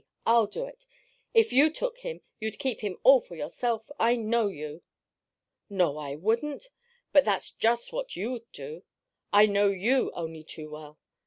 I'll do it. If you took him you'd keep him all for yourself. I know you!" "No, I wouldn't! But that's just what you'd do. I know you only too well.